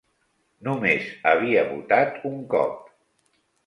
No més havia votat un cop